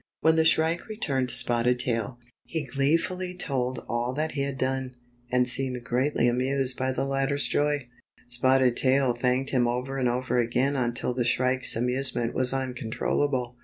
i When the Shrike returned to Spotted Tail, he gleefully told all that he had done, and seemed greatly amused by the latter's joy. Spotted Tail thanked him over and over again until the Shrike's amusement was uncontrollable.